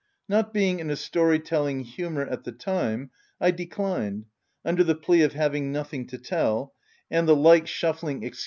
Not being in a story telling humour at the time, I declined, under the plea of hav ing nothing to tell, and the like shuffling ex & VOL.